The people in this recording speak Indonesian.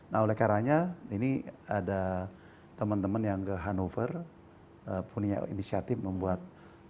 nah oleh karanya ini ada teman teman yang ke hannover punya inisiatif membuat